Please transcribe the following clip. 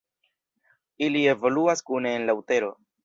Ili evoluas kune en la utero.